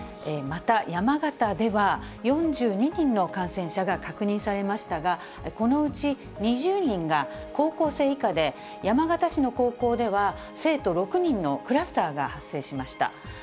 また、山形では、４２人の感染者が確認されましたが、このうち２０人が、高校生以下で、山形市の高校では生徒６人のクラスターが発生しました。